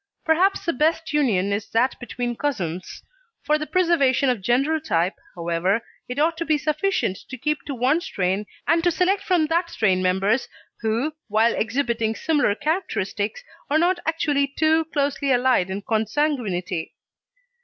Perhaps the best union is that between cousins. For the preservation of general type, however, it ought to be sufficient to keep to one strain and to select from that strain members who, while exhibiting similar characteristics, are not actually too closely allied in consanguinity.